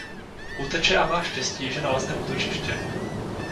Uteče a má štěstí, že nalezne útočiště.